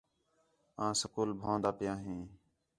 آں سکول بھن٘ؤان٘دا پیاں ہیں